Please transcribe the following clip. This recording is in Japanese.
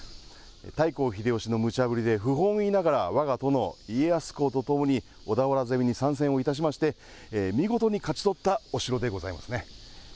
たいこう秀吉のむちゃぶりで不本意ながら、わが殿、家康公とともに小田原攻めに参戦をいたしまして見事に勝ち取ったお城でございますね。